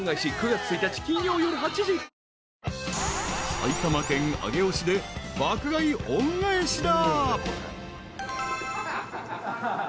［埼玉県上尾市で爆買い恩返しだ］